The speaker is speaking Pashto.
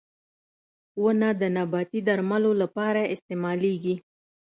• ونه د نباتي درملو لپاره استعمالېږي.